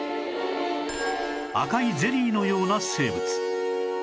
赤いゼリーのような生物